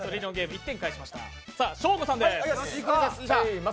ショーゴさんです。